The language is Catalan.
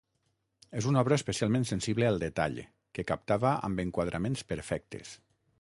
És una obra especialment sensible al detall, que captava amb enquadraments perfectes.